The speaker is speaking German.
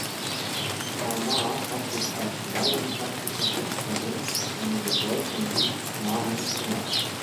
Thamar hat sich als leidenschaftliche Künstlerin einen bedeutenden Namen gemacht.